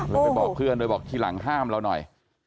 ไปบอกเพื่อนไปบอกที่หลังห้ามเราหน่อย